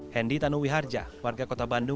hendy tanuwi harja warga kota bandung